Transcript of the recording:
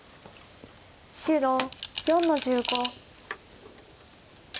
白４の十五。